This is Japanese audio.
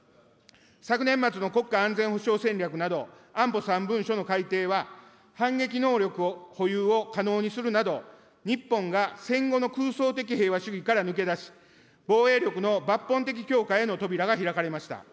昨年末の国家安全保障戦略など、安保３文書の改定は、反撃能力を、保有を可能にするなど、日本が戦後の空想的平和主義から抜け出し、防衛力の抜本的強化への扉が開かれました。